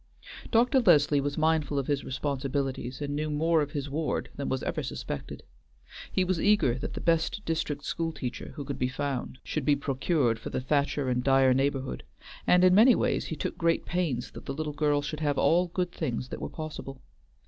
Dr. Leslie was mindful of his responsibilities, and knew more of his ward than was ever suspected. He was eager that the best district school teacher who could be found should be procured for the Thacher and Dyer neighborhood, and in many ways he took pains that the little girl should have all good things that were possible.